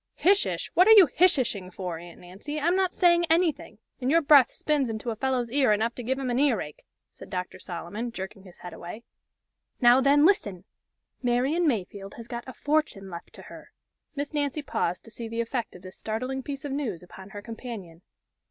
"'Hish ish!' What are you 'hish ish'ing for, Aunt Nancy, I'm not saying anything, and your breath spins into a fellow's ear enough to give him an ear ache!" said Dr. Solomon, jerking his head away. "Now then listen Marian Mayfield has got a fortune left to her." Miss Nancy paused to see the effect of this startling piece of news upon her companion.